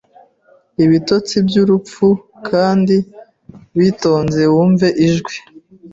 ibitotsi byurupfu kandi witonze wumve ijwi